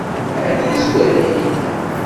Ɛni yezwar-ik?